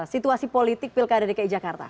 situasi politik pilkada dki jakarta